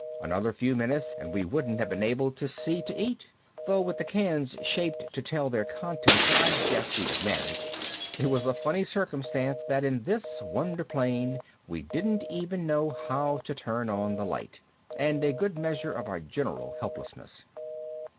Another few minutes and we wouldn't have been able to see to eat, though with the cans shaped to tell their contents I guess we'd have managed. It was a funny circumstance that in this wonder plane we didn't even know how to turn on the light and a good measure of our general helplessness.